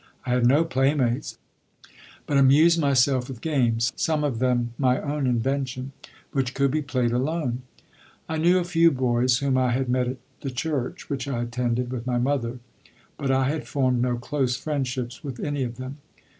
I had no playmates, but amused myself with games some of them my own invention which could be played alone. I knew a few boys whom I had met at the church which I attended with my mother, but I had formed no close friendships with any of them.